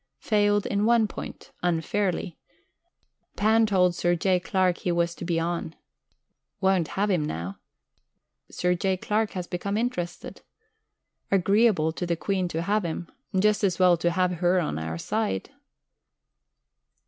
Failed in one point. Unfairly. Pan told Sir J. Clark he was to be on. Won't have him now. Sir J. Clark has become interested. Agreeable to the Queen to have him just as well to have Her on our side....